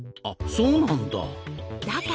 あっそうなんだ。